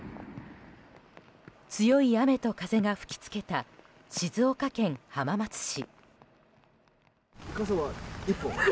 強い雨と風が吹き付けた静岡県浜松市。